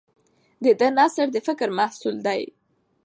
د ده نثر د فکر محصول دی.